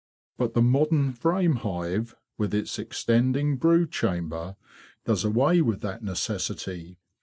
But the modern frame hive, with its extending brood chamber, does away with that necessity.